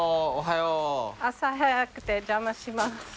朝早くて邪魔します。